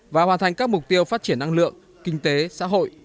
và hoàn thành các mục tiêu phát triển năng lượng kinh tế xã hội